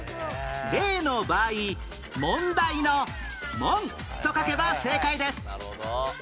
例の場合問題の「問」と書けば正解です